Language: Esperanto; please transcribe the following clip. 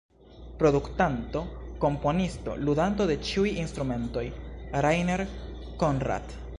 Produktanto, komponisto, ludanto de ĉiuj instrumentoj: Rainer Conrad.